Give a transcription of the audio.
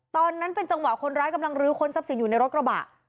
ตอนนั้นเป็นจังหวะคนร้ายกำลังลื้อค้นทรัพย์สินอยู่ในรถกระบะ